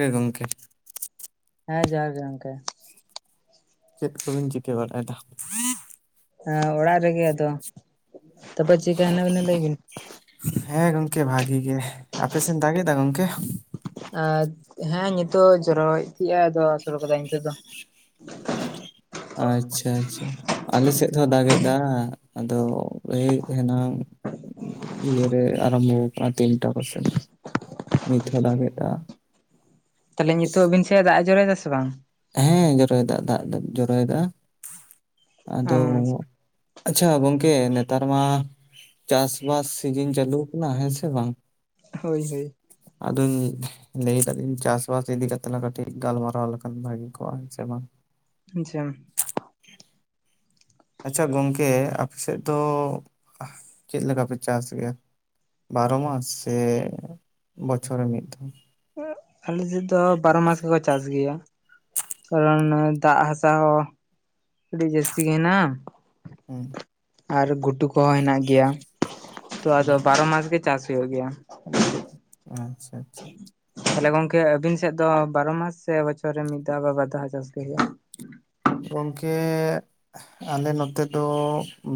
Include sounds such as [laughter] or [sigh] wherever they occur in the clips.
ᱮ ᱜᱚᱝᱠᱮ᱾ ᱦᱮᱸ ᱡᱚᱦᱟᱨ ᱜᱮ ᱜᱚᱝᱠᱮ᱾ ᱪᱮᱫ ᱠᱚ ᱵᱤᱱ ᱪᱤᱠᱟᱹ ᱵᱟᱲᱟᱭ ᱫᱟ? ᱮᱸ ᱚᱲᱟᱜ ᱨᱮ ᱜᱮ ᱟᱫᱚ ᱛᱚᱯᱮ ᱪᱤᱠᱟ ᱦᱮᱱᱟᱜ ᱵᱤᱱᱟ ᱞᱟᱹᱭ ᱵᱤᱱ? ᱦᱮᱸ ᱜᱚᱝᱠᱮ ᱵᱷᱟᱜᱤ ᱜᱮ ᱟᱯᱮ ᱥᱮᱱ ᱫᱟᱜᱮᱫᱟᱭ ᱜᱚᱝᱠᱮ? ᱮ ᱦᱮᱸ ᱱᱤᱛᱚᱜ ᱡᱚᱨᱚᱭ ᱛᱤᱜ ᱮ ᱟᱫᱚ ᱟᱹᱥᱳᱲ ᱟᱠᱟᱫᱟᱭ ᱱᱤᱛᱚᱜ ᱫᱚ᱾ ᱟᱪᱪᱷᱟ ᱟᱪᱪᱷᱟ᱾ ᱟᱞᱮ ᱥᱮᱫ ᱦᱚᱸ ᱫᱟᱜ ᱮᱫᱟ ᱟᱫᱚ ᱳᱭ ᱦᱮᱱᱟᱝ ᱤᱭᱟᱹ ᱨᱮ ᱟᱨᱟᱢᱵᱚ ᱠᱟᱜ-ᱟ ᱛᱤᱱᱴᱟ ᱠᱚᱥᱮᱱ ᱱᱤᱛ ᱦᱚᱸ ᱫᱟᱜᱮᱜ-ᱟ᱾ ᱛᱟᱦᱞᱮ ᱱᱤᱛᱚᱜ ᱟᱵᱤᱱ ᱥᱮᱜ ᱫᱟᱜ ᱮ ᱡᱚᱨᱚᱭ ᱫᱟ ᱥᱮ ᱵᱟᱝ? ᱦᱮᱸ ᱡᱚᱨᱚᱭᱮᱫᱟ ᱫᱟᱜ ᱫᱚ ᱡᱚᱨᱚᱭᱮᱫᱟ ᱟᱫᱚ ᱟᱪᱪᱷᱟ ᱜᱚᱝᱠᱮ ᱱᱮᱛᱟᱨ ᱢᱟ ᱪᱟᱥᱵᱟᱥ ᱥᱤᱡᱤᱱ ᱪᱟᱹᱞᱩ ᱠᱟᱱᱟ ᱦᱮᱸ ᱥᱮ ᱵᱟᱝ? ᱦᱳᱭ ᱦᱳᱭ ᱟᱫᱚᱧ ᱞᱟᱹᱭ ᱫᱟ ᱞᱤᱧ ᱪᱟᱥ ᱵᱟᱥ ᱤᱫᱤ ᱠᱟᱛᱮᱜ ᱞᱟᱝ ᱠᱟᱹᱴᱤᱡ ᱜᱟᱞᱢᱟᱨᱟᱣ ᱞᱟᱝ ᱵᱷᱟᱹᱜᱤ ᱠᱚᱜᱼᱟ ᱥᱮ ᱵᱟᱝ? ᱟᱪᱪᱷᱟ ᱟᱪᱪᱷᱟ ᱜᱚᱝᱠᱮ ᱟᱯᱮ ᱥᱮᱫ ᱫᱚ ᱪᱮᱫ ᱞᱮᱠᱟ ᱯᱮ ᱪᱟᱥ ᱜᱮᱭᱟ? ᱵᱟᱨᱚ ᱢᱟᱥ ᱥᱮ ᱵᱚᱪᱷᱚᱨ ᱨᱮ ᱢᱤᱫ ᱫᱷᱟᱣ? ᱟᱞᱮᱥᱮᱫ ᱫᱚ ᱵᱟᱨᱚ ᱢᱟᱥ ᱜᱮ ᱠᱚ ᱪᱟᱥ ᱜᱮᱭᱟ᱾ ᱠᱟᱨᱚᱱ ᱫᱟᱜ ᱦᱟᱥᱟ ᱦᱚᱸ ᱟᱹᱰᱤ ᱡᱟᱹᱥᱛᱤ ᱜᱮ ᱦᱮᱱᱟᱜ-ᱟ᱾ ᱦᱩᱸ ᱟᱨ ᱜᱷᱩᱴᱩ ᱠᱚ ᱦᱚᱸ ᱦᱮᱱᱟᱜ ᱜᱮᱭᱟ ᱛᱚ ᱟᱫᱚ ᱦᱩᱸ ᱵᱟᱨᱚ ᱢᱟᱥ ᱜᱮ ᱪᱟᱥ ᱦᱩᱭᱩᱜ ᱜᱮᱭᱟ᱾ ᱟᱪᱪᱷᱟ ᱟᱪᱪᱷᱟ ᱛᱟᱦᱞᱮ ᱜᱚᱝᱠᱮ ᱟᱵᱤᱱ ᱥᱮᱫ ᱫᱚ ᱵᱟᱨᱚ ᱢᱟᱥ ᱥᱮ ᱵᱚᱪᱷᱚᱨ ᱨᱮ ᱢᱤᱫ ᱫᱷᱟᱣ ᱵᱟ ᱵᱟᱨ ᱫᱷᱟᱣ ᱪᱟᱥ ᱦᱩᱭᱩᱜᱼᱟ? ᱜᱚᱝᱠᱮ ᱟᱞᱮ ᱱᱚᱛᱮ ᱫᱚ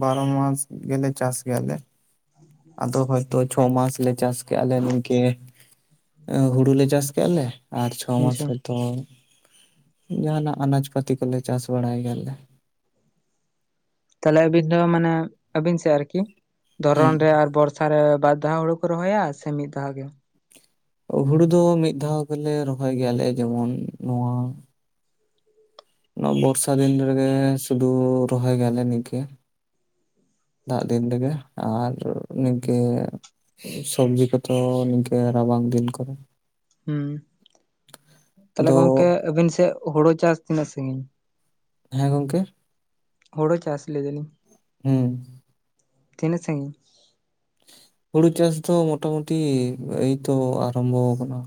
ᱵᱟᱨᱚ ᱢᱟᱥ ᱜᱮ ᱞᱮ ᱪᱟᱥ ᱜᱮᱭᱟ ᱞᱮ᱾ ᱟᱫᱚ ᱦᱚᱭᱛᱚ ᱪᱷᱚ ᱢᱟᱥ ᱞᱮ ᱪᱟᱥ ᱠᱮ-ᱟ ᱞᱮ ᱱᱤᱝᱠᱟᱹ ᱦᱩᱲᱩ ᱞᱮ ᱪᱟᱥ ᱠᱮᱜ-ᱟ ᱞᱮ ᱟᱨ ᱪᱷᱚ ᱢᱟᱥ ᱟᱪᱪᱷᱟ ᱦᱚᱭᱛᱚ ᱡᱟᱸᱦᱟᱱᱟᱜ ᱟᱱᱟᱡᱽ ᱯᱟᱹᱛᱤ ᱠᱚ ᱞᱮ ᱪᱟᱥ ᱵᱟᱲᱟᱭ ᱜᱮᱭᱟ ᱞᱮ᱾ ᱛᱟᱦᱞᱮ ᱟᱵᱤᱱ ᱫᱚ ᱢᱟᱱᱮ ᱟᱵᱤᱱ ᱥᱮᱫ ᱟᱨᱠᱤ ᱦᱩᱸ ᱫᱷᱚᱨᱚᱱ ᱨᱮ ᱟᱨ ᱵᱚᱨ ᱥᱟᱨᱮ ᱵᱟᱨ ᱫᱷᱟᱣ ᱦᱩᱲᱩ ᱠᱚ ᱨᱚᱦᱚᱭᱟ ᱥᱮ ᱢᱤᱫ ᱫᱷᱟᱣ ᱜᱮ? ᱦᱩᱲᱩ ᱫᱚ ᱢᱤᱫ ᱫᱷᱟᱣ ᱜᱮᱞᱮ ᱨᱚᱦᱚᱭ ᱜᱮᱭᱟ ᱞᱮ ᱡᱮᱢᱚᱱ ᱱᱚᱣᱟ ᱱᱚᱣᱟ ᱵᱚᱨᱥᱟ ᱫᱤᱱ ᱨᱮ ᱜᱮ ᱥᱩᱫᱩ ᱨᱚᱦᱚᱭ ᱜᱮᱭᱟ ᱞᱮ ᱱᱤᱝᱠᱟᱹ ᱫᱟᱜ ᱫᱤᱱ ᱨᱮ ᱜᱮ ᱟᱨ ᱱᱤᱝᱠᱟᱹ ᱥᱚᱵᱽᱡᱤ ᱠᱚ ᱛᱚ ᱱᱤᱝᱠᱟᱹ ᱨᱟᱵᱟᱝ ᱫᱤᱱ ᱠᱚ ᱨᱮ᱾ ᱦᱩᱸ ᱛᱟᱦᱞᱮ ᱟᱫᱚ ᱜᱚᱝᱠᱮ ᱟᱹᱵᱤᱱ ᱥᱮᱜ ᱦᱳᱲᱳ ᱪᱟᱥ ᱛᱤᱱᱟᱹᱜ ᱥᱟᱹᱜᱤᱧ? ᱦᱮᱸ ᱜᱚᱝᱠᱮ ᱦᱳᱲᱳ ᱪᱟᱥ ᱞᱮᱭ ᱫᱟᱞᱤᱧ᱾ ᱦᱩᱸ ᱛᱤᱱᱟᱹᱜ ᱥᱟᱺᱜᱤᱧ? ᱦᱩᱲᱩ ᱪᱟᱥ ᱫᱚ ᱢᱚᱴᱟᱢᱩᱴᱤ ᱮᱭᱛᱚ ᱟᱨᱚᱢᱵᱚ ᱠᱟᱱᱟ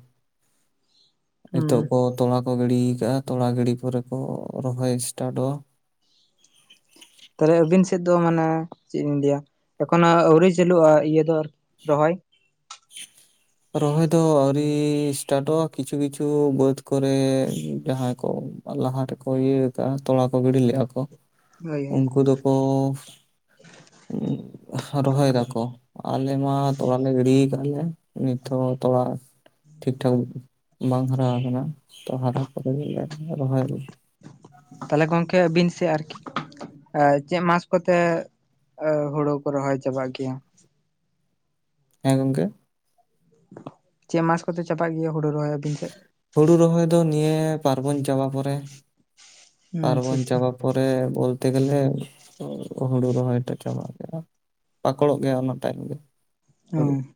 ᱱᱤᱛᱚᱜ ᱦᱩᱸ ᱠᱚ ᱛᱚᱲᱟ ᱠᱚ ᱜᱤᱲᱤ ᱠᱟᱜᱼᱟ ᱛᱚᱲᱟ ᱜᱤᱲᱤ ᱯᱚᱨᱮ ᱠᱚ ᱨᱚᱦᱚᱭ ᱥᱴᱟᱴᱚᱜᱼᱟ ᱛᱟᱦᱞᱮ ᱟᱹᱵᱤᱱ ᱥᱮᱫ ᱫᱚ ᱢᱟᱱᱮ ᱪᱮᱫ ᱤᱧ ᱞᱟᱹᱭᱟ ᱮᱠᱷᱚᱱᱳ ᱟᱹᱣᱨᱤ ᱪᱟᱹᱞᱩᱜᱼᱟ ᱤᱭᱟᱹ ᱫᱚ ᱟᱨ [unintelligible] ᱨᱚᱦᱚᱭ? [inaudible] ᱨᱚᱦᱚᱭ ᱫᱚ ᱟᱹᱣᱨᱤ ᱥᱴᱟᱴᱚᱜᱼᱟ ᱠᱤᱪᱷᱩ ᱠᱤᱪᱷᱩ ᱵᱟᱹᱫᱽ ᱠᱚ ᱨᱮ ᱡᱟᱦᱟᱸᱭ ᱠᱚ ᱞᱟᱦᱟ ᱨᱮᱠᱚ ᱤᱭᱟᱹ ᱠᱟᱜ-ᱟ ᱛᱚᱲᱟ ᱠᱚ ᱜᱤᱰᱤ ᱞᱮᱜᱼᱟ ᱠᱚ ᱦᱳᱭ ᱩᱱᱠᱩ ᱫᱚ [inaudible] [inaudible] ᱨᱚᱦᱚᱭ ᱫᱟ ᱠᱚ ᱟᱞᱮ ᱢᱟ ᱛᱚᱲᱟ ᱞᱮ ᱜᱤᱲᱤ ᱠᱟᱞᱮ ᱱᱤᱛᱦᱚᱸ ᱛᱚᱲᱟ ᱴᱷᱤᱠ ᱴᱷᱟᱠ ᱵᱟᱝ ᱦᱟᱨᱟ ᱠᱟᱱᱟ ᱛᱚ ᱦᱟᱨᱟ ᱯᱚᱨᱮ ᱜᱮ [unintelligible] ᱨᱚᱦᱚᱭᱟᱞ ᱛᱟᱦᱞᱮ ᱜᱚᱝᱠᱮ ᱟᱹᱵᱤᱱ ᱥᱮ ᱟᱨᱠᱤ ᱮ ᱪᱮᱫ ᱢᱟᱥ ᱠᱚᱛᱮ ᱦᱳᱲᱳ ᱠᱚ ᱨᱚᱦᱚᱭ ᱪᱟᱵᱟᱜ ᱜᱮᱭᱟ? ᱦᱮᱸ ᱜᱚᱝᱠᱮ ᱪᱮᱫ ᱢᱟᱥ ᱠᱚᱛᱮ ᱪᱟᱵᱟᱜ ᱜᱮᱭᱟ ᱦᱳᱲᱳ ᱨᱚᱦᱚᱭ ᱟᱹᱵᱤᱱ ᱥᱮᱫ? ᱦᱩᱲᱩ ᱨᱚᱦᱚᱭ ᱫᱚ ᱱᱤᱭᱟᱹ ᱯᱟᱨᱵᱚᱱ ᱪᱟᱵᱟ ᱯᱚᱨᱮ ᱯᱟᱨᱵᱚᱱ ᱟᱪᱪᱷᱟ ᱟᱪᱪᱷᱟ ᱪᱟᱵᱟ ᱯᱚᱨᱮ ᱵᱚᱞᱛᱮ ᱜᱮᱞᱮ ᱦᱩᱲᱩ ᱨᱚᱦᱚᱭ ᱴᱟ ᱪᱟᱵᱟᱜ ᱜᱮᱭᱟ ᱯᱟᱠᱚᱲᱚᱜ ᱜᱮᱭᱟ ᱚᱱᱟ ᱛᱟᱭᱱᱚᱢ ᱜᱮ ᱦᱩᱲᱩ, ᱦᱮᱸ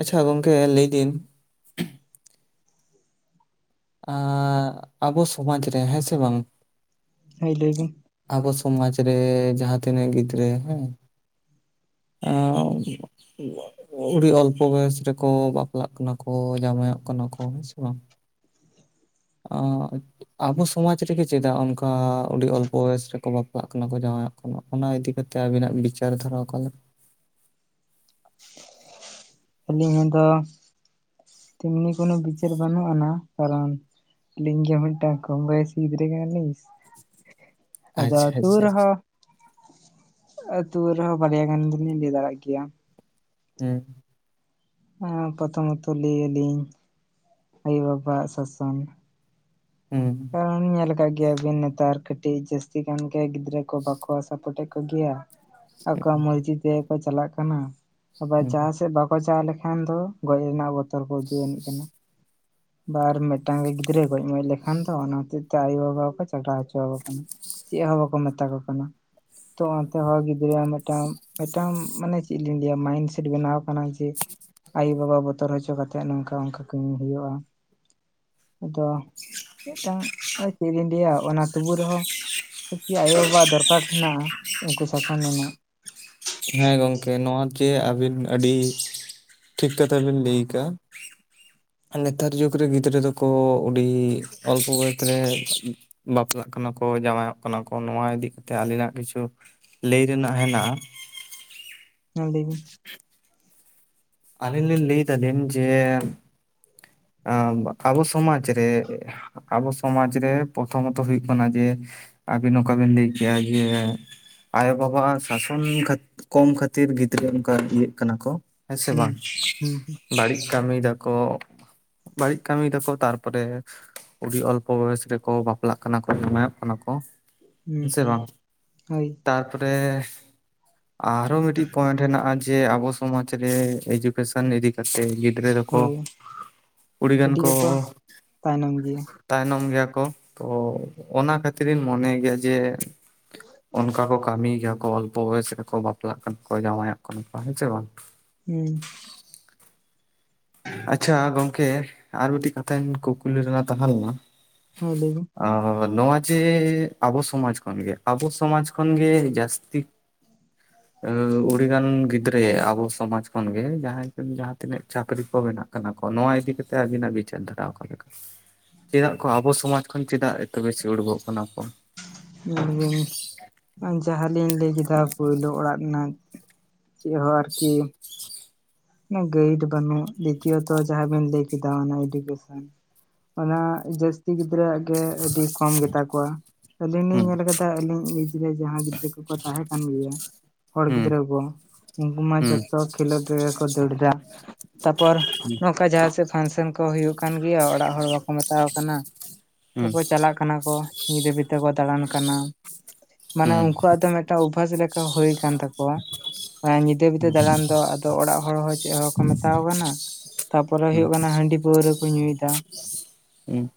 ᱟᱪᱪᱷᱟ ᱜᱚᱝᱠᱮ ᱞᱟᱹᱭᱫᱤᱧ ᱟᱸ ᱟᱵᱚ ᱥᱚᱢᱟᱡ ᱨᱮ ᱦᱮᱸ ᱥᱮ ᱵᱟᱝ ᱦᱳᱭ ᱞᱟᱹᱭ ᱵᱤᱱ ᱟᱵᱚ ᱥᱚᱢᱟᱡᱽ ᱨᱮ ᱡᱟᱦᱟᱸ ᱛᱤᱱᱟᱹᱜ ᱜᱤᱫᱽᱨᱟᱹ ᱦᱮᱸ [unintelligible] [unintelligible] ᱟᱹᱰᱤ ᱚᱞᱯᱚ ᱵᱚᱭᱚᱥ ᱨᱮᱠᱚ ᱵᱟᱯᱞᱟᱜ ᱠᱟᱱᱟ ᱠᱚ ᱡᱟᱢᱟᱭᱚᱜ ᱠᱟᱱᱟ ᱠᱚ ᱦᱮᱸ ᱥᱮ ᱵᱟᱝ ᱟ ᱟᱵᱚ ᱥᱚᱢᱟᱡᱽ ᱨᱮᱜᱮ ᱪᱮᱫᱟᱜ ᱚᱱᱠᱟ ᱟᱰᱤ ᱚᱞᱯᱚ ᱵᱚᱭᱚᱥ ᱨᱮᱠᱚ ᱵᱟᱯᱞᱟᱜ ᱠᱟᱱᱟ ᱠᱚ ᱡᱟᱣᱟᱭᱟᱜ [unintelligible] ᱚᱱᱟ ᱤᱫᱤ ᱠᱟᱛᱮ ᱟᱹᱵᱤᱱᱟᱜ ᱵᱤᱪᱟᱨ ᱫᱷᱟᱨᱟ ᱚᱠᱟ ᱞᱮᱠᱟ ᱟᱹᱞᱤᱧ ᱫᱚ ᱛᱮᱢᱱᱤ ᱠᱳᱱᱳ ᱵᱤᱪᱟᱹᱨ ᱵᱟᱹᱱᱩᱜ ᱟᱱᱟ ᱠᱟᱨᱚᱱ ᱟᱹᱞᱤᱝ ᱜᱮ ᱢᱤᱫᱴᱟᱱᱝ ᱠᱚᱢᱵᱚᱭᱥᱤ ᱜᱤᱫᱨᱟᱹ ᱠᱟᱱᱟ ᱞᱤᱧ ᱟᱫᱚ ᱟᱪᱪᱷᱟ ᱛᱟᱣ ᱟᱪᱪᱷᱟ ᱟᱪᱪᱷᱟ ᱨᱮᱦᱚᱸ ᱟᱹᱛᱩ ᱨᱮᱦᱚᱸ ᱵᱟᱨᱭᱟ ᱜᱟᱱ ᱫᱚᱞᱤᱧ ᱞᱟᱹᱭ ᱫᱟᱲᱮᱭᱟᱜ ᱜᱮᱭᱟ [unintelligible] ᱦᱮᱸ ᱯᱨᱚᱛᱷᱚᱢᱚᱛᱚ ᱞᱟᱹᱭᱟᱞᱤᱧ ᱟᱭᱳ ᱵᱟᱵᱟ ᱟᱜ ᱥᱟᱥᱟᱱ [unintelligible] ᱠᱟᱨᱚᱱ ᱧᱮᱞ ᱠᱟᱜ ᱜᱮᱭᱟᱵᱤᱱ ᱱᱮᱛᱟᱨ ᱠᱟᱹᱴᱤᱡ ᱡᱟᱹᱥ [unintelligible] ᱜᱟᱱ ᱜᱮ ᱜᱤᱫᱽᱨᱟᱹ ᱠᱚ ᱵᱟᱠᱚ ᱥᱟᱯᱳᱴᱮᱜ ᱠᱚᱜᱮᱭᱟ ᱟᱠᱚᱣᱟᱜ ᱢᱚᱨᱡᱤ ᱛᱮᱜᱮ ᱠᱚ ᱪᱟᱞᱟᱜ ᱠᱟᱱᱟ, ᱟᱵᱟᱨ ᱦᱩᱸ ᱡᱟᱦᱟᱸ ᱥᱮᱫ ᱵᱟᱠᱚ ᱪᱟᱣ ᱞᱮᱠᱷᱟᱱ ᱫᱚ ᱜᱚᱡ ᱨᱮᱱᱟᱜ ᱵᱚᱛᱚᱨ ᱠᱚ ᱩᱫᱩᱜ ᱟᱹᱱᱤᱡ ᱠᱟᱱᱟ᱾ [unintelligible] ᱢᱮᱫᱴᱟᱝ ᱜᱮ ᱜᱤᱫᱽᱨᱟᱹ ᱜᱚᱡ ᱢᱚᱡ ᱞᱮᱠᱷᱟᱱ ᱠᱷᱟᱱ ᱫᱚ ᱚᱱᱟ ᱦᱚᱛᱮᱡᱛᱮ ᱟᱭᱳ ᱵᱟᱵᱟ ᱦᱚᱠᱚ ᱪᱟᱴᱟᱣ ᱦᱚᱪᱚ ᱟᱠᱚ ᱠᱟᱱᱟ ᱪᱮᱫ ᱦᱚᱸ ᱵᱟᱠᱚ ᱢᱮᱛᱟ ᱠᱚ ᱠᱟᱱᱟ ᱛᱚ ᱚᱱᱛᱮᱦᱚ ᱜᱤᱫᱽᱨᱟᱹᱣᱟᱜ ᱢᱤᱫᱴᱟᱝ ᱢᱤᱫᱴᱟᱝ ᱢᱟᱱᱮ ᱪᱮᱫ ᱞᱤᱧ ᱞᱟᱹᱭᱟ ᱢᱟᱭᱤᱱᱥᱮᱴ ᱵᱮᱱᱟᱣ ᱠᱟᱱᱟ ᱡᱮ ᱟᱭᱳᱼᱵᱟᱵᱟ ᱵᱚᱛᱚᱨ ᱦᱚᱪᱚ ᱠᱟᱛᱮᱫ ᱱᱚᱝᱠᱟ ᱚᱱᱠᱟ ᱠᱟᱹᱢᱤ ᱦᱩᱭᱩᱜᱼᱟ, ᱟᱫᱚ ᱢᱤᱫᱴᱟᱝ [unintelligible] ᱪᱮᱫ ᱞᱤᱧ ᱞᱟᱹᱭᱟ ᱚᱱᱟ ᱛᱩᱵᱩ ᱨᱮᱦᱚᱸ ᱠᱤ ᱟᱭᱳᱼᱵᱟᱵᱟ ᱫᱚᱨᱠᱟᱨ ᱢᱮᱱᱟᱜᱟ ᱩᱱᱠᱩ ᱥᱟᱥᱚᱱ ᱮᱢᱚᱜ ᱦᱮᱸ ᱜᱚᱝᱠᱮ ᱱᱚᱣᱟ ᱡᱮ ᱟᱵᱤᱱ ᱟᱹᱰᱤ ᱴᱷᱤᱠ ᱠᱟᱛᱷᱟ ᱵᱮᱱ ᱞᱟᱹᱭ ᱠᱟᱜᱼᱟ ᱱᱮᱛᱟᱨ ᱡᱩᱜᱽ ᱨᱮ ᱜᱤᱫᱽᱨᱟᱹ ᱫᱚᱠᱚ ᱚᱰᱤ ᱚᱞᱯᱚ ᱵᱚᱭᱚᱥ ᱨᱮ ᱵᱟᱯᱞᱟᱜ ᱠᱟᱱᱟ ᱠᱚ ᱡᱟᱣᱟᱭᱚᱜ ᱠᱟᱱᱟ ᱠᱚ ᱱᱚᱣᱟ ᱤᱫᱤ ᱠᱟᱛᱮᱫ ᱟᱹᱞᱤᱧᱱᱟᱜ ᱠᱤᱪᱷᱩ ᱞᱟᱹᱭ ᱨᱮᱱᱟᱜ ᱦᱮᱱᱟᱜᱼᱟ ᱦᱮᱸ ᱞᱟᱹᱭ ᱵᱤᱱ᱾ ᱟᱹᱞᱤᱧ ᱞᱤᱧ ᱞᱟᱹᱭ ᱫᱟᱞᱮᱢ ᱡᱮ ᱟᱸ ᱟᱵᱚ ᱥᱚᱢᱟᱡ ᱨᱮ ᱟᱵᱚ ᱥᱚᱢᱟᱡ ᱨᱮ ᱯᱨᱚᱛᱷᱚᱢᱚᱛᱚ ᱦᱩᱭᱩᱜ ᱠᱟᱱᱟ ᱡᱮ ᱟᱹᱵᱤᱱ ᱚᱠᱟ ᱵᱤᱱ ᱞᱟᱹᱭ ᱠᱮᱭᱟ ᱡᱮ ᱟᱭᱳ-ᱵᱟᱵᱟ ᱟᱜ ᱥᱟᱥᱚᱱ ᱠᱷᱟᱛ ᱠᱚᱢ ᱠᱷᱟᱹᱛᱤᱨ ᱜᱤᱫᱽᱨᱟᱹ ᱚᱝ ᱠᱟ ᱤᱭᱟᱹᱜ ᱠᱟᱱᱟ ᱠᱚ ᱦᱮᱸᱥᱮ ᱦᱩᱸ ᱵᱟᱝ ᱦᱩᱸ ᱦᱩᱸ ᱵᱟᱹᱲᱤᱡ ᱠᱟᱹᱢᱤ ᱫᱟᱠᱚ ᱾ ᱵᱟᱹᱲᱤᱡ ᱠᱟᱹᱢᱤ ᱫᱟᱠᱚ ᱛᱟᱨᱯᱚᱨᱮ ᱟᱹᱰᱤ ᱚᱞᱯᱚ ᱵᱚᱭᱮᱥ ᱨᱮᱠᱚ ᱵᱟᱯᱞᱟᱜ ᱠᱟᱱᱟ ᱠᱚ ᱡᱟᱢᱟᱭᱚᱜ ᱠᱟᱱᱟ ᱠᱚ᱾ ᱦᱮᱸᱥᱮ ᱦᱩᱸ ᱵᱟᱝ ᱦᱳᱭ ᱛᱟᱨᱯᱚᱨᱮ ᱟᱨᱦᱚ ᱢᱤᱫᱴᱤᱡ ᱯᱚᱭᱮᱱᱴ ᱦᱮᱸᱱᱟᱜᱼᱟ ᱡᱮ ᱟᱵᱚ ᱥᱚᱢᱟᱡ ᱨᱮ ᱮᱰᱩᱠᱮᱥᱚᱱᱤᱫᱤ ᱡᱟᱛᱮ ᱜᱤᱫᱽᱨᱟᱹ ᱫᱚᱠᱚ ᱦᱳᱭ ᱠᱩᱲᱤ ᱜᱟᱱ ᱟᱹᱰᱤ ᱠᱚ ᱜᱮᱠᱚ ᱛᱟᱭᱱᱚᱢ ᱜᱮᱭᱟ ᱛᱟᱭᱱᱚᱢ ᱜᱮᱭᱟ ᱠᱚ ᱛᱚ ᱚᱱᱟ ᱠᱷᱟᱹᱛᱤᱨ ᱤᱧ ᱢᱚᱱᱮ ᱜᱮᱭᱟ ᱡᱮ ᱚᱱᱠᱟ ᱠᱚ ᱠᱟᱹᱢᱤᱭ ᱜᱮᱭᱟ ᱠᱚ ᱚᱞᱯᱚ ᱵᱚᱭᱚᱥ ᱨᱮ ᱠᱚ ᱵᱟᱯᱞᱟ ᱠᱟᱱᱟ ᱚᱠᱚᱭ ᱡᱟᱶᱟᱭᱚᱜ ᱠᱟᱱ ᱛᱟᱠᱚᱣᱟ ᱦᱮᱸᱥᱮ ᱵᱟᱝ? ᱦᱩᱸ᱾ ᱟᱪᱪᱷᱟ ᱜᱚᱢᱠᱮ ᱟᱨ ᱢᱤᱫᱴᱤᱡ ᱠᱟᱛᱷᱟᱧ ᱠᱩᱠᱞᱤ ᱨᱮᱱᱟᱜ ᱛᱟᱦᱮᱸ ᱞᱮᱱᱟ, ᱦᱮᱸ ᱞᱟᱹᱭ ᱵᱤᱱ। ᱚ ᱱᱚᱣᱟ ᱡᱮ ᱟᱵᱚ ᱥᱚᱢᱟᱡ ᱠᱷᱚᱱ ᱜᱮ᱾ ᱟᱵᱚ ᱥᱚᱢᱟᱡ ᱠᱷᱚᱱᱜᱮ ᱡᱟᱹᱥᱛᱤ ᱦᱩᱸ [inaudible] ᱮ ᱩᱰᱤᱲᱜᱟᱱ ᱜᱤᱫᱽᱨᱟᱹ ᱟᱵᱚ ᱥᱚᱢᱟᱡ ᱠᱷᱚᱱ ᱜᱮ ᱡᱟᱦᱟᱸᱭ ᱡᱟᱦᱟᱸ ᱛᱤᱱᱟᱹᱜ ᱪᱟᱹᱠᱨᱤ ᱠᱚ ᱵᱮᱱᱟᱜ ᱠᱟᱱᱟ ᱠᱚ ᱱᱚᱣᱟ ᱤᱫᱤ ᱠᱟᱛᱮ ᱟᱹᱵᱤᱱᱟᱜ ᱵᱤᱪᱟᱹᱨ ᱫᱷᱟᱨᱟ ᱚᱠᱟᱮ ᱞᱮᱠᱟ? ᱪᱮᱫᱟᱜ ᱠᱚ ᱟᱵᱚ ᱥᱚᱢᱟᱡ ᱠᱷᱚᱱ ᱪᱮᱫᱟᱜ ᱮᱛᱚ ᱵᱮᱥᱤ ᱩᱰᱠᱚᱜ ᱠᱟᱱᱟ ᱠᱚ? ᱡᱮᱢᱚᱱ ᱡᱟᱦᱟᱸ ᱞᱤᱧ ᱞᱟᱹᱭ ᱠᱮᱫᱟ ᱯᱳᱭᱞᱳ ᱚᱲᱟᱜ ᱨᱮᱱᱟᱜ ᱪᱮᱜ ᱦᱚᱸ ᱟᱨᱠᱤ ᱚᱱᱟ ᱜᱟᱹᱭᱤᱰ ᱵᱟᱹᱱᱩᱜ ᱫᱤᱛᱤᱭᱚᱛᱚ ᱡᱟᱦᱟᱸ ᱵᱤᱱ ᱞᱟᱹᱭ ᱠᱮᱫᱟ ᱚᱱᱟ ᱮᱰᱩᱠᱮᱥᱚᱱ ᱚᱱᱟ ᱡᱟᱹᱥᱛᱤ ᱜᱤᱫᱽᱨᱟᱹᱣᱟᱜ ᱜᱮ ᱟᱹᱰᱤ ᱠᱚᱢ ᱜᱮ ᱛᱟᱠᱚᱣᱟ। ᱟᱹᱞᱤᱧ ᱞᱤᱧ ᱦᱩᱸ ᱧᱮᱞ ᱠᱟᱫᱟ ᱟᱹᱞᱤᱧ ᱮᱡ ᱨᱮ ᱡᱟᱦᱟᱸᱭ ᱜᱤᱫᱽᱨᱟᱹ ᱠᱚᱠᱚ ᱛᱟᱦᱮᱸ ᱠᱟᱱ ᱜᱮᱭᱟ, ᱦᱚᱲ ᱦᱩᱸ ᱜᱤᱫᱽᱨᱟᱹ ᱠᱚ, ᱩᱝᱠᱩ ᱢᱟ ᱦᱩᱸ ᱡᱷᱚᱛᱚ ᱠᱷᱮᱞᱳᱰ ᱨᱮᱜᱮ ᱠᱚ ᱫᱟᱹᱲ ᱫᱟ᱾ ᱛᱟᱯᱚᱨ ᱱᱚᱝᱠᱟ ᱡᱟᱦᱟᱸᱥᱮᱫ ᱯᱷᱟᱱᱥᱮᱱ ᱠᱚ ᱦᱩᱭᱩᱜᱭ ᱠᱟᱱ ᱜᱮᱭᱟ᱾ ᱚᱲᱟᱜ ᱦᱚᱲ ᱵᱟᱠᱚ ᱢᱮᱛᱟᱠᱚ ᱠᱟᱱᱟ। ᱦᱩᱸ ᱛᱟᱯᱚᱨ ᱪᱟᱞᱟᱜ ᱠᱟᱱᱟ ᱠᱚ᱾ ᱧᱤᱫ ᱫᱷᱟᱹᱵᱤᱡ ᱛᱮᱠᱚ ᱫᱟᱬᱟᱱ ᱠᱟᱱᱟ, ᱢᱟᱱᱮ ᱦᱩᱸ ᱩᱝᱠᱩ ᱣᱟᱜ ᱫᱚ ᱢᱤᱫᱴᱟᱝ ᱚᱵᱽᱵᱷᱟᱥ ᱞᱮᱠᱟ ᱦᱩᱭ ᱟᱠᱟᱱ ᱛᱟᱠᱚᱣᱟ᱾ ᱧᱤᱫᱟᱹ ᱵᱤᱫᱟᱹ ᱫᱟᱬᱟᱱ ᱫᱚ ᱟᱫᱚ ᱚᱲᱟᱜ ᱦᱚᱲ ᱪᱮᱫ ᱦᱚᱸ ᱵᱟᱠᱚ ᱢᱮᱛᱟᱠᱚ ᱠᱟᱱᱟ, ᱛᱟᱨᱯᱚᱨᱮ ᱦᱩᱸ ᱦᱩᱭᱩᱜ ᱠᱟᱱᱟ ᱦᱟᱺᱰᱤ ᱯᱟᱹᱣᱨᱟᱹ ᱠᱚ ᱧᱩᱭᱫᱟ। ᱦᱩᱸ᱾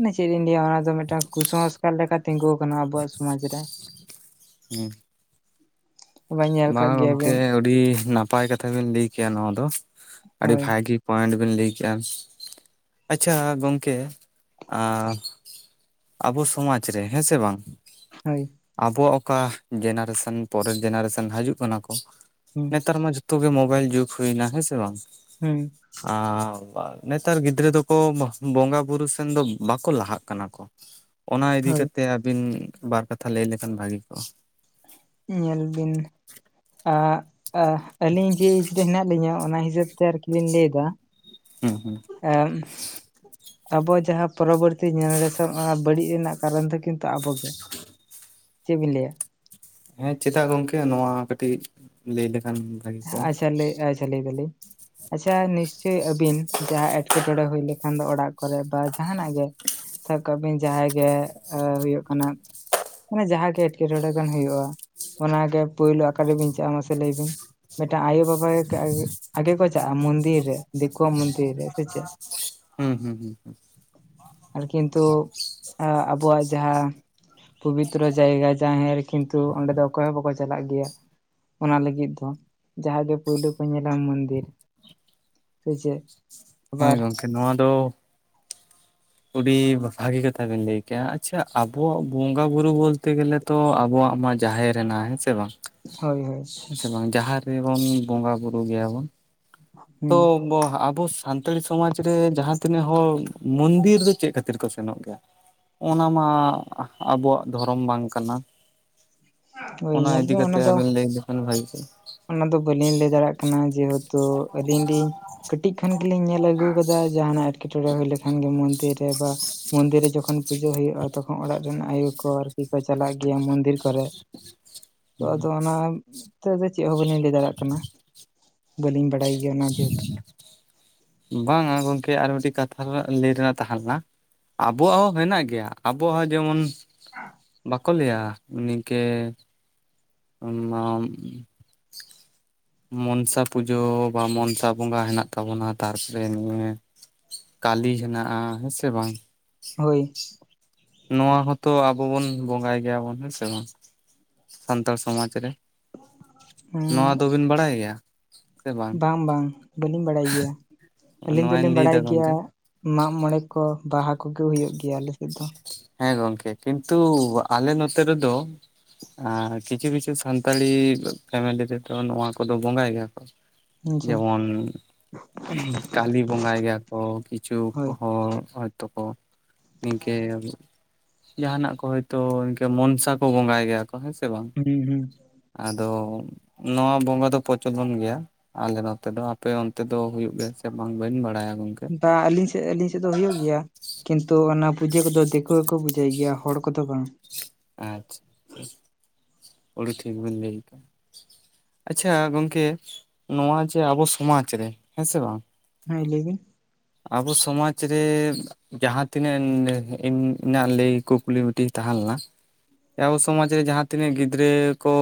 ᱢᱟᱱᱮ ᱪᱮᱫ ᱤᱧ ᱞᱟᱹᱭᱟ ᱚᱱᱟ ᱫᱚ ᱢᱤᱫᱴᱟᱝ ᱠᱩᱥᱚᱝᱥᱠᱟᱨ ᱞᱮᱠᱟ ᱛᱤᱸᱜᱩ ᱟᱠᱟᱱᱟ ᱟᱵᱚᱣᱟᱜ ᱥᱚᱢᱟᱡ ᱨᱮ। ᱦᱩᱸ᱾ ᱧᱮᱞ ᱠᱟᱜ ᱵᱟᱝ ᱜᱚᱝᱠᱮ ᱜᱮᱭᱟᱵᱤᱱ ᱩᱰᱤ ᱱᱟᱯᱟᱭ ᱠᱟᱛᱷᱟ ᱵᱤᱱ ᱞᱟᱹᱭ ᱠᱮᱭᱟ ᱱᱚᱣᱟ ᱫᱚ᱾ ᱟᱹᱰᱤ ᱦᱳᱭ ᱵᱷᱟᱜᱤ ᱯᱚᱭᱮᱱᱴ ᱵᱤᱱ ᱞᱟᱹᱭ ᱠᱮᱜᱼᱟ᱾ ᱟᱪᱪᱷᱟ ᱜᱚᱝᱠᱮ ᱟᱵᱚ ᱥᱚᱢᱟᱡ ᱨᱮ ᱦᱮᱸᱥᱮ ᱵᱟᱝ ᱦᱳᱭ᱾ ᱟᱵᱚᱣᱟᱜ ᱚᱠᱟ ᱡᱮᱱᱟᱨᱮᱥᱚᱱ ᱯᱚᱨᱮᱨ ᱡᱮᱱᱟᱨᱮᱥᱚᱱ ᱦᱟᱡᱩᱜ ᱠᱟᱱᱟ ᱠᱚ᱾ ᱦᱩᱸ ᱱᱮᱛᱟᱨ ᱢᱟ ᱡᱷᱚ ᱛᱚ ᱜᱮ ᱢᱳᱵᱟᱭᱤᱞ ᱡᱩᱜ ᱦᱩᱭᱱᱟ ᱦᱮᱸᱥᱮ ᱵᱟᱝ? ᱦᱩᱸ ᱟᱸ ᱱᱮᱛᱟᱨ ᱜᱤᱫᱽᱨᱟᱹ ᱫᱚᱠᱚ ᱵᱚᱸᱜᱟ ᱵᱩᱨᱩ ᱥᱮᱱ ᱫᱚ ᱵᱟᱠᱚ ᱞᱟᱦᱟᱜ ᱠᱟᱱᱟ ᱠᱚ। ᱦ [inaudible] ᱚᱱᱟ ᱤᱫᱤ ᱠᱟᱛᱮ ᱟᱹᱵᱤᱱ ᱵᱟᱨ ᱠᱟᱛᱷᱟ ᱞᱟᱹᱭ ᱞᱮᱠᱷᱟᱱ ᱵᱷᱟᱹᱜᱤ ᱠᱚᱜᱼᱟ। ᱧᱮᱞ ᱵᱤᱱ ᱟᱜ ᱟ ᱟᱹᱞᱤᱧ ᱡᱮ ᱨᱮ ᱮᱡᱨᱮ ᱦᱮᱱᱟᱸᱜ ᱟᱹᱞᱤᱧ ᱦᱚᱸ ᱚᱱᱟ ᱦᱤᱥᱟᱹᱵ ᱛᱮ ᱟᱨᱠᱤ ᱞᱤᱧ ᱞᱟᱹᱭ ᱮᱫᱟ᱾ ᱦᱩᱸ ᱦᱩᱸ ᱮᱸ ᱟᱵᱚ ᱡᱟᱦᱟᱸ ᱯᱚᱨᱚᱵᱚᱨᱛᱤ ᱡᱮᱱᱟᱨᱮᱥᱚᱱ ᱚᱱᱟ ᱵᱟᱹᱲᱤᱡ ᱨᱮᱱᱟᱜ ᱼᱼ ᱠᱟᱨᱚᱱ ᱫᱚ ᱠᱤᱱᱛᱩ ᱟᱵᱚ ᱜᱮ᱾ ᱪᱮᱫ ᱵᱤᱱ ᱞᱟᱹᱭᱟ? ᱦᱮᱸ ᱪᱮᱫᱟᱜ ᱜᱚᱝᱠᱮ? ᱱᱚᱣᱟ ᱠᱟᱹᱴᱤᱡ ᱞᱟᱹᱭ ᱞᱮᱠᱷᱟᱱ! ᱵᱷᱟᱹᱜᱤ ᱠᱚᱜᱼᱟ ᱟᱪᱪᱷᱟ ᱞᱮᱜᱼᱟ ᱟᱪᱪᱷᱟ ᱞᱟᱹᱭ ᱫᱟᱹᱞᱤᱧ। ᱟᱪᱪᱷᱟ ᱱᱤᱥᱪᱳᱭ ᱟᱹᱵᱤᱱ᱾ ᱡᱟᱦᱟᱸ ᱮᱸᱴᱠᱮᱴᱚᱬᱮ ᱦᱩᱭ ᱞᱮᱠᱷᱟᱱ ᱫᱚ ᱚᱲᱟᱜ ᱠᱚ ᱨᱮ ᱵᱟ ᱡᱟᱦᱟᱱᱟᱜ ᱜᱮ ᱼᱼ ᱥᱟᱵ ᱠᱟᱜ ᱵᱤᱱ ᱡᱟᱦᱟᱸᱭ ᱜᱮ ᱦᱩᱭᱩᱜ ᱠᱟᱱᱟ᱾ ᱢᱟᱱᱮ ᱡᱟᱦᱟᱸ ᱜᱮ ᱮᱴᱠᱮᱴᱚᱬᱮ ᱜᱟᱱ ᱦᱩᱭᱩᱜᱼᱟ ᱚᱱᱟᱜᱮ ᱯᱩᱭᱞᱩ ᱟᱠᱟ ᱨᱮ ᱵᱤᱱ ᱪᱟᱜᱼᱟ ᱢᱟᱥᱮ ᱞᱟᱹᱭ ᱵᱤᱱ? ᱢᱤᱫᱴᱟᱝ ᱟᱭᱳᱼᱵᱟᱵᱟ ᱟᱜᱮ ᱠᱚ ᱪᱟᱜᱼᱟ ᱢᱚᱱᱫᱤᱨ ᱨᱮ ᱫᱤᱠᱩᱣᱟ ᱢᱚᱱᱫᱤᱨ ᱨᱮ᱾ ᱥᱮ ᱪᱮᱫ? ᱦᱩᱸ ᱦᱩᱸ ᱦᱩᱸ ᱟᱨ ᱠᱤᱱᱛᱩ ᱟ ᱟᱵᱚᱣᱟᱜ ᱡᱟᱦᱟᱸ ᱼᱼ ᱯᱚᱵᱤᱛᱨᱚ ᱡᱟᱭᱜᱟ ᱡᱟᱦᱮᱨ ᱠᱤᱱᱛᱩ ᱚᱸᱰᱮ ᱫᱚ ᱚᱠᱚᱭ ᱦᱚᱸ ᱵᱟᱠᱚ ᱪᱟᱞᱟᱜ ᱜᱮᱭᱟ। ᱚᱱᱟ ᱞᱟᱹᱜᱤᱫ ᱫᱚ। ᱡᱟᱦᱟᱸ ᱜᱮ ᱯᱩᱭᱞᱩ ᱠᱚ ᱧᱮᱞᱟ ᱢᱚᱱᱫᱤᱨ᱾ ᱥᱮ ᱪᱮᱫ? [unintelligible] [inaudible] ᱱᱚᱣᱟ ᱫᱚ ᱼᱼ [inaudible] ᱩᱰᱤ ᱵᱷᱟᱹᱜᱤ ᱠᱟᱛᱷᱟ ᱵᱤᱱ ᱞᱟᱹᱭ ᱠᱮᱜᱼᱟ᱾ ᱟᱪᱪᱷᱟ ᱟᱵᱚᱣᱟᱜ ᱵᱚᱸᱜᱟ ᱵᱩᱨᱩ ᱵᱚᱞ ᱛᱮ ᱜᱮᱞᱮ ᱼᱼ ᱛᱚ ᱟᱵᱚᱣᱟᱜ ᱢᱟ ᱡᱟᱦᱮᱨ ᱦᱮᱱᱟᱜᱼᱟ᱾ ᱦᱮᱸ ᱥᱮ ᱵᱟᱝ? ᱦᱳᱭ ᱦᱳᱭᱼᱼ ᱦᱮᱸ ᱥᱮ ᱵᱟᱝ ᱡᱟᱦᱟᱸ ᱨᱮᱵᱚᱱ ᱵᱚᱸᱜᱟ ᱵᱩᱨᱩ ᱜᱮᱭᱟ ᱵᱚᱱ᱾ ᱦᱩᱸ ᱛᱚ ᱵᱚ ᱟᱵᱚ ᱼᱼ ᱥᱟᱱᱛᱟᱲᱤ ᱥᱚᱢᱟᱡᱽ ᱨᱮ ᱡᱟᱦᱟ ᱛᱤᱱᱟᱹᱜ ᱦᱚᱲ ᱢᱚᱱᱫᱤᱨ ᱨᱮ ᱪᱮᱫ ᱠᱷᱟᱹᱛᱤᱨ ᱠᱚ ᱥᱮᱱᱚᱜ ᱜᱮᱭᱟ ᱚᱱᱟ ᱢᱟ ᱟᱵᱚᱣᱟᱜ ᱫᱷᱚᱨᱚᱢ ᱵᱟᱝ ᱠᱟᱱᱟ᱾ ᱳᱭ ᱚᱱᱟ ᱧᱮᱞ ᱤᱫᱤ ᱢᱮ ᱠᱟᱛᱮ ᱫᱚ ᱟᱵᱮᱱ ᱞᱟᱹᱭ ᱞᱮᱠᱷᱟᱱ ᱵᱷᱟᱜᱤ ᱠᱚᱜᱼᱟ ᱚᱱᱟ ᱫᱚ ᱵᱟᱹᱞᱤᱧ ᱞᱟᱹᱭ ᱫᱟᱲᱮᱭᱟᱜ ᱠᱟᱱᱟ ᱡᱮᱦᱮᱛᱩ ᱟᱹᱞᱤᱧ ᱞᱤᱧᱼᱼ ᱠᱟᱹᱴᱤᱡ ᱠᱷᱚᱱ ᱜᱮᱞᱤᱧ ᱧᱮᱞ ᱟᱹᱜᱩ ᱠᱟᱫᱟ ᱡᱟᱦᱟᱱᱟᱜ ᱮᱸᱴᱠᱮᱴᱚᱸᱬᱮ ᱦᱩᱭ ᱞᱮᱠᱷᱟᱱ ᱜᱮ ᱢᱚᱱᱫᱤᱨ ᱨᱮ ᱵᱟᱼᱼ ᱢᱚᱱᱫᱤᱨ ᱨᱮ ᱡᱚᱠᱷᱚᱱ ᱯᱩᱡᱟᱹ ᱦᱩᱭᱩᱜᱼᱟ ᱛᱚᱠᱷᱚᱱ ᱚᱲᱟᱜ ᱨᱮᱱ ᱟᱭᱳ ᱠᱚ ᱟᱨᱠᱤ ᱠᱚ ᱪᱟᱞᱟᱜ ᱜᱮᱭᱟ ᱢᱚᱱᱫᱤᱨ ᱠᱚ ᱨᱮᱼᱼ ᱛᱚ ᱟᱫᱚ ᱚᱱᱟ ᱛᱮᱫᱚ ᱪᱮᱜ ᱦᱚ ᱵᱟᱹᱞᱤᱧ ᱞᱟᱹᱭ ᱫᱟᱲᱮᱭᱟᱜ ᱠᱟᱱᱟ ᱵᱟᱹᱞᱤᱧ ᱵᱟᱲᱟᱭ ᱜᱮᱭᱟ ᱱᱟ ᱡᱮᱦᱮᱛᱩᱼᱼ ᱵᱟᱝᱼᱟ ᱜᱚᱢᱠᱮ ᱟᱨ ᱢᱤᱜᱴᱤᱜ ᱠᱟᱛᱷᱟ ᱞᱟᱹᱭ ᱨᱮᱱᱟᱜ ᱛᱟᱦᱮ ᱞᱮᱱᱟ ᱟᱵᱚᱣᱟᱜ ᱦᱚᱸ ᱦᱮᱱᱟᱜ ᱜᱮᱭᱟ ᱟᱵᱚᱣᱟᱜ ᱦᱚᱸ ᱡᱮᱢᱚᱱᱼᱼ ᱵᱟᱠᱚ ᱞᱟᱹᱭᱟ ᱱᱤᱝᱠᱟᱹ [unintelligible] ᱢᱚᱱᱥᱟ ᱯᱩᱡᱟᱹ ᱵᱟ ᱢᱚᱱᱥᱟ ᱵᱚᱸᱜᱟ ᱦᱮᱱᱟᱜ ᱛᱟᱵᱚᱱᱟ ᱛᱟᱨᱯᱚᱨᱮ ᱱᱤᱭᱟᱹᱼᱼ ᱠᱟᱞᱤ ᱦᱮᱱᱟᱜᱼᱟ ᱦᱮᱸ ᱥᱮ ᱵᱟᱝᱼᱼ ᱦᱳᱭ ᱱᱚᱣᱟ ᱦᱚᱸ ᱛᱚ ᱟᱵᱚ ᱵᱚᱱ ᱵᱚᱸᱜᱟᱭ ᱜᱮᱭᱟ ᱵᱚᱱ ᱦᱮᱸ ᱥᱮ ᱵᱟᱝ ᱥᱟᱱᱛᱟᱲ ᱥᱚᱢᱟᱡᱽ ᱨᱮ ᱱᱚᱣᱟ ᱫᱚ ᱵᱤᱱ ᱵᱟᱲᱟᱭ ᱜᱮᱭᱟ ᱵᱟᱝ ᱵᱟᱝ ᱵᱟᱹᱞᱤᱧ ᱵᱟᱲᱟᱭ ᱜᱮᱭᱟ ᱟᱹᱞᱤᱧ ᱱᱚᱣᱟᱧ ᱫᱚᱞᱤᱧ ᱵᱟᱲᱟᱭ ᱞᱟᱹᱭᱫᱟ ᱜᱮᱭᱟ ᱜᱚᱝᱠᱮ ᱢᱟᱜᱢᱚᱬᱮ ᱠᱚ ᱵᱟᱦᱟ ᱠᱚ ᱜᱮ ᱦᱩᱭᱩᱜ ᱜᱮᱭᱟ ᱟᱞᱮ ᱥᱮᱫ ᱫᱚᱼᱼ ᱦᱮᱸ ᱜᱚᱝᱠᱮ ᱠᱤᱱᱛᱩ ᱟᱞᱮ ᱱᱚᱛᱮ ᱨᱮ ᱫᱚᱼᱼ ᱟᱸ ᱠᱤᱪᱷᱩ ᱠᱤᱪᱷᱩ ᱥᱟᱱᱛᱟᱞᱤ ᱯᱷᱮᱢᱮᱞᱤ ᱨᱮ ᱫᱚ ᱱᱚᱣᱟ ᱠᱚ ᱫᱚ ᱵᱚᱸᱜᱟᱭ ᱜᱮᱭᱟ ᱠᱚ ᱦᱮᱸᱥᱮ ᱡᱮᱢᱚᱱ ᱠᱟᱞᱤ ᱵᱚᱸᱜᱟᱭ ᱜᱮᱭᱟ ᱠᱚ ᱠᱤᱼᱼ ᱦᱳᱭ [unintelligible] ᱦᱚᱲ ᱦᱚᱭᱛᱚ ᱠᱚ ᱱᱤᱝᱠᱟᱹ ᱡᱟᱦᱟᱱᱟᱜ ᱠᱚ ᱦᱳᱭᱛᱳ ᱤᱱᱠᱟᱹ ᱢᱚᱱᱥᱟ ᱠᱚ ᱵᱚᱸᱜᱟᱭ ᱜᱮᱭᱟ ᱠᱚ᱾ ᱦᱮᱸ ᱥᱮ ᱵᱟᱝ ᱦᱩᱸ ᱦᱩᱸ ᱟᱫᱚ ᱱᱚᱣᱟ ᱵᱚᱸᱜᱟ ᱫᱚ ᱯᱨᱚᱪᱚᱞᱚᱱ ᱜᱮᱭᱟ ᱟᱞᱮ ᱱᱚᱛᱮ ᱫᱚ ᱟᱯᱮ ᱚᱱᱛᱮ ᱫᱚ ᱦᱩᱭᱩᱜ ᱜᱮᱭᱟ ᱥᱮ ᱵᱟᱝ ᱵᱟᱹᱧ ᱵᱟᱲᱟᱭᱟ ᱜᱚᱝᱠᱮᱼᱼ ᱟᱹᱞᱤᱧ ᱥᱮᱫ ᱟᱹᱞᱤᱧ ᱥᱮᱫ ᱫᱚ ᱦᱳᱭᱳᱜ ᱜᱮᱭᱟ ᱠᱤᱱᱛᱩ ᱚᱱᱟ ᱯᱩᱡᱟᱹ ᱠᱚᱫᱚ ᱫᱤᱠᱩ ᱜᱮᱠᱚ ᱯᱩᱡᱟᱹᱭ ᱜᱮᱭᱟ ᱦᱚᱲ ᱠᱚᱫᱚ ᱵᱟᱝ᱾ ᱟᱪᱪᱷᱟ, ᱚᱰᱤ ᱴᱷᱤᱠ ᱵᱤᱱ ᱞᱟᱹᱭ ᱠᱟᱜᱼᱟ᱾ ᱟᱪᱪᱷᱟ ᱜᱚᱝᱠᱮ ᱱᱚᱣᱟ ᱡᱮ ᱟᱵᱚ ᱥᱚᱢᱟᱡᱽ ᱨᱮ ᱦᱮᱸ ᱥᱮ ᱵᱟᱝ᱾ ᱦᱮᱸ ᱞᱟᱹᱭ ᱵᱤᱱ ᱟᱵᱚ ᱥᱚᱢᱟᱡᱽ ᱨᱮ ᱡᱟᱸᱦᱟ ᱛᱤᱱᱟᱹᱜ [unintelligible] ᱤᱧᱟᱜ ᱞᱟᱹᱭ ᱠᱩᱠᱞᱤ ᱢᱤᱜᱴᱤᱜ ᱛᱟᱦᱮ ᱞᱮᱱᱟ᱾ ᱟᱵᱚ ᱥᱚᱢᱟᱡᱽ ᱨᱮ ᱡᱟᱸᱦᱟ ᱛᱤᱱᱟᱹᱜ ᱜᱤᱫᱽᱨᱟᱹ ᱠᱚ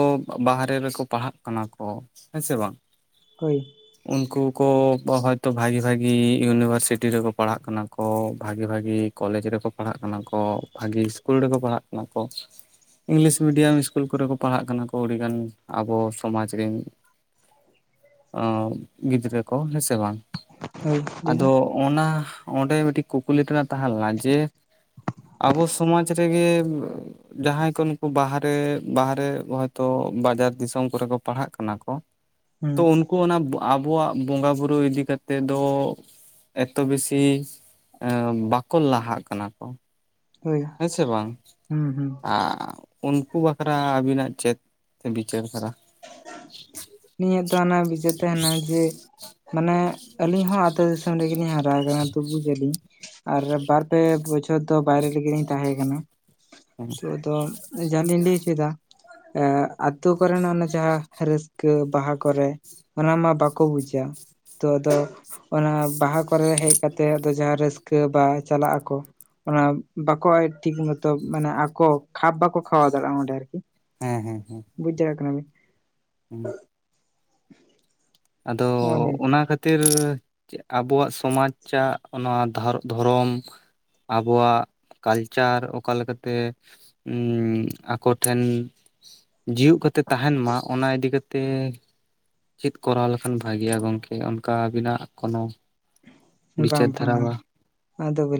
ᱵᱟᱦᱨᱮ ᱨᱮᱠᱚ ᱯᱟᱲᱦᱟᱜ ᱠᱟᱱᱟ ᱠᱚ ᱦᱮᱸ ᱥᱮ ᱵᱟᱝ᱾ ᱦᱳᱭ ᱩᱱᱠᱩ ᱠᱚ ᱦᱚᱭᱛᱚ ᱵᱷᱟᱜᱮ ᱵᱷᱟᱜᱤ ᱤᱭᱩᱱᱤᱵᱷᱟᱨᱥᱤᱴᱤ ᱨᱮᱠᱚ ᱯᱟᱲᱦᱟᱜ ᱠᱟᱱᱟ᱾ ᱠᱚ ᱵᱷᱟᱜᱮ ᱵᱷᱟᱜᱤ ᱠᱚᱞᱮᱡᱽ ᱨᱮᱠᱚ ᱯᱟᱲᱦᱟᱜ ᱠᱟᱱᱟ ᱠᱚ ᱵᱷᱟᱜᱤ ᱤᱥᱠᱩᱞ ᱨᱮᱠᱚ ᱯᱟᱲᱦᱟᱜ ᱠᱟᱱᱟ ᱠᱚ᱾ ᱤᱝᱞᱤᱥ ᱢᱤᱰᱤᱭᱟᱢ ᱤᱥᱠᱩᱞ ᱠᱚᱨᱮ ᱠᱚ ᱯᱟᱲᱦᱟᱜ ᱠᱟᱱᱟ ᱠᱚ ᱟᱹᱰᱤ ᱜᱟᱱ ᱟᱵᱚ ᱥᱚᱢᱟᱡᱽ ᱨᱤᱱ᱾ ᱚᱸ ᱜᱤᱫᱽᱨᱟᱹ ᱠᱚ ᱦᱮᱸ ᱥᱮ ᱵᱟᱝ᱾ ᱦᱳᱭ ᱞᱟᱹᱭ ᱟᱫᱚ ᱵᱤᱱ ᱚᱱᱟ ᱚᱸᱰᱮ ᱢᱤᱫᱴᱤᱡ ᱠᱩᱠᱞᱤ ᱛᱮᱱᱟᱜ ᱛᱟᱦᱮ ᱞᱮᱱᱟ ᱡᱮ ᱟᱵᱚ ᱥᱚᱢᱟᱡᱽ ᱨᱮᱜᱮ ᱡᱟᱸᱦᱟᱭ ᱠᱚ ᱱᱩᱠᱩ ᱵᱟᱦᱨᱮ ᱵᱟᱦᱨᱮ ᱦᱚᱭᱛᱳ ᱵᱟᱡᱟᱨ ᱫᱤᱥᱚᱢ ᱠᱚᱨᱮ ᱠᱚ ᱯᱟᱲᱦᱟᱜ ᱠᱟᱱᱟ ᱠᱚ, ᱦᱩᱸ ᱛᱚ ᱩᱱᱠᱩ, ᱚᱱᱟ ᱟᱵᱚᱣᱟᱜ ᱵᱚᱸᱜᱟ ᱵᱩᱨᱩ ᱤᱫᱤ ᱠᱟᱛᱮᱜ ᱫᱚ ᱮᱛᱚ ᱵᱮᱥᱤ ᱵᱟᱠᱚ ᱞᱟᱦᱟᱜ ᱠᱟᱱᱟ ᱠᱚ᱾ ᱦᱳᱭ ᱦᱮᱸ ᱥᱮ ᱵᱟᱝ ᱦᱩᱸ ᱦᱩᱸ ᱟ ᱩᱱᱠᱩ ᱵᱟᱠᱷᱨᱟ ᱟᱹᱵᱤᱱᱟᱜ ᱪᱮᱫ ᱵᱤᱪᱟᱹᱨ ᱫᱷᱟᱨᱟ᱾ ᱱᱤᱭᱟᱹ ᱫᱚ ᱚᱱᱟ ᱵᱤᱪᱟᱹᱨ ᱛᱟᱦᱮᱱᱟ ᱡᱮ, ᱢᱟᱱᱮ ᱟᱹᱞᱤᱧ ᱦᱚ ᱟᱛᱳ ᱫᱤᱥᱚᱢ ᱨᱮᱜᱮᱞᱤᱧ ᱦᱟᱨᱟ ᱟᱠᱟᱱᱟ ᱛᱚ ᱵᱩᱡᱽ ᱟ‌ᱞᱤᱧ᱾ ᱟᱨ ᱵᱟᱨ ᱯᱮ ᱵᱚᱪᱷᱚᱨ ᱫᱚ ᱵᱟᱭᱨᱮ ᱨᱮᱜᱮ ᱞᱤᱧ ᱛᱟᱦᱮ ᱠᱟᱱᱟ᱾ [unintelligible] ᱫᱚ ᱡᱟᱸᱦᱟ ᱞᱤᱧ ᱞᱟᱹᱭ ᱦᱚᱪᱚᱭᱮᱫᱟ ᱟᱛᱳ ᱠᱚᱨᱮᱱ ᱚᱱᱮ ᱡᱟᱸᱦᱟᱸ ᱨᱟᱹᱥᱠᱟᱹ ᱵᱟᱦᱟ ᱠᱚᱨᱮ, ᱚᱱᱟᱢᱟ ᱵᱟᱠᱚ ᱵᱩᱡᱟ᱾ ᱛᱚ ᱫᱚ ᱚᱱᱟ ᱵᱟᱦᱟ ᱠᱚᱨᱮ ᱦᱮᱡ ᱠᱟᱛᱮ ᱟᱫᱚ ᱡᱟᱸᱦᱟᱸ ᱨᱟᱹᱥᱠᱟᱹ ᱵᱟ ᱪᱟᱞᱟᱜ ᱟᱠᱚ᱾ ᱚᱱᱟ ᱵᱟᱠᱚ ᱟᱭ ᱴᱷᱤᱠ ᱢᱚᱛᱚ ᱢᱟᱱᱮ ᱟᱠᱚ ᱠᱷᱟᱯ ᱵᱟᱠᱚ ᱠᱷᱟᱣᱟᱣ ᱫᱟᱲᱮᱭᱟᱜᱼᱟ ᱚᱸᱰᱮ ᱟᱨᱠᱤ᱾ ᱦᱮᱸ ᱦᱮᱸ ᱦᱮᱸ ᱵᱩᱡ ᱫᱟᱲᱮᱭᱟᱜ ᱠᱟᱱᱟ ᱵᱤᱱ᱾ ᱦᱮᱸ [inaudible] ᱟᱫᱚ ᱱᱚᱜᱼᱚ ᱱᱚᱝᱠᱟ ᱚᱱᱟ ᱠᱷᱟᱹ ᱠᱷᱟᱹᱛᱤᱨ ᱟᱵᱚᱣᱟᱜ ᱥᱚᱢᱟᱡᱽ ᱪᱟᱜ ᱱᱚᱣᱟ ᱫᱷᱚᱨᱚᱢ ᱟᱵᱚᱣᱟᱜ ᱠᱟᱞᱪᱟᱨ ᱚᱠᱟ ᱞᱮᱠᱟ ᱛᱮ ᱦᱩᱸ ᱟᱠᱚᱴᱷᱮᱱ ᱡᱤᱣᱮᱫ ᱠᱟᱛᱮ ᱛᱟᱦᱮᱱ ᱢᱟ ᱚᱱᱟ ᱤᱫᱤ ᱠᱟᱛᱮ ᱪᱮᱫ ᱠᱚᱨᱟᱣ ᱞᱮᱠᱷᱟᱱ ᱵᱷᱟᱜᱮᱭᱟ ᱜᱚᱝᱠᱮ ᱚᱱᱠᱟ ᱟᱵᱤᱱᱟᱜ ᱠᱳᱱᱳ ᱵᱟᱝ ᱵᱤᱪᱟᱹᱨ ᱵᱟᱝ ᱫᱷᱟᱨᱟ ᱵᱟ ᱟᱫᱚ ᱵᱟᱞᱤ